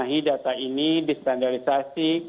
nah ini data ini distandalisasi